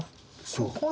そう。